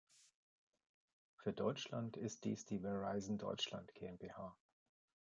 Für Deutschland ist dies die Verizon Deutschland GmbH.